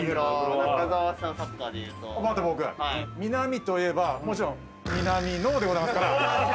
ミナミといえばもちろん南野でございますから。